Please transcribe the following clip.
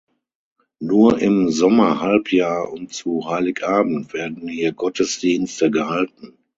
Nur im Sommerhalbjahr und zu Heiligabend werden hier Gottesdienste gehalten.